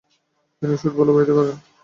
তিনি " সুদ " বলে অভিহিত করেন।